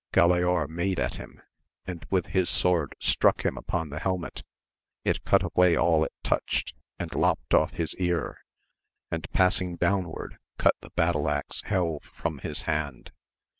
Galaor made at him, and with his sword struck him upon the helmet ; it cuft away all it touched, and lopt off his ear, and passing downward cut the battle axe helve from his hand.